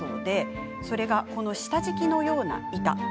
それが、この下敷きのような板。